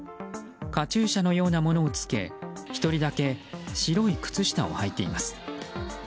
カチューシャのようなものを着け１人だけ白い靴下をはいています。